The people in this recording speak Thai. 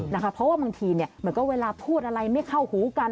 เพราะว่าบางทีเหมือนก็เวลาพูดอะไรไม่เข้าหูกัน